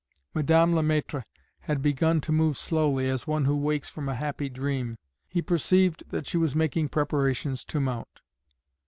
Madame Le Maître had begun to move slowly, as one who wakes from a happy dream. He perceived that she was making preparations to mount.